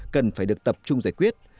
cần phải được tập trung giải quyết